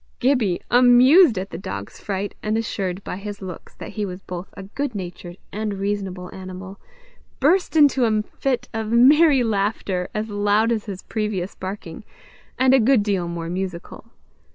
Gibbie, amused at the dog's fright, and assured by his looks that he was both a good natured and reasonable animal, burst into a fit of merry laughter as loud as his previous barking, and a good deal more musical.